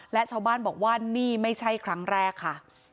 และชาวบ้านบอกว่านี่ไม่ใช่ครั้งแรกค่ะ